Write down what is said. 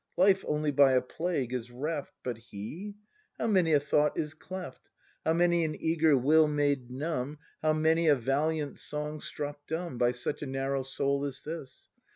Life only by a plague is reft; g^t l^e ! How many a thought is cleft, How many an eager will made numb. How many a valiant song struck dumb By such a narrow soul as this!